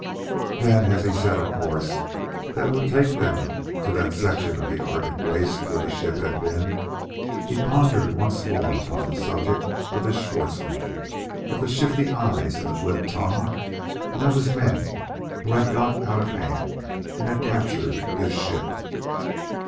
Then, as he set a course that would take them to that section of the Arctic waste where the ship had been, he pondered once more upon the subject of this Schwartzmann of the shifty eyes and the glib tongue and of his men who had "got out of hand" and had captured this ship.